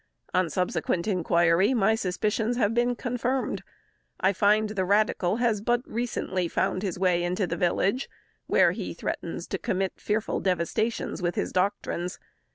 On subsequent inquiry my suspicions have been confirmed. I find the radical has but recently found his way into the village, where he threatens to commit fearful devastations with his doctrines.